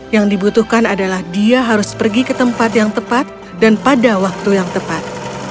yang dibutuhkan adalah dia harus pergi ke tempat yang tepat dan pada waktu yang tepat